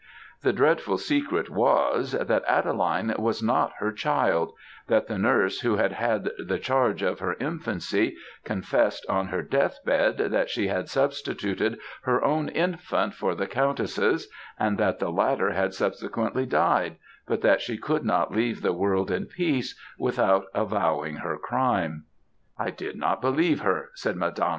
The dreadful secret was, that Adeline was not her child; that the nurse who had had the charge of her infancy, confessed on her death bed, that she had substituted her own infant for the countess's, that the latter had subsequently died, but that she could not leave the world in peace without avowing her crime. "'I did not believe her,' said Mdme.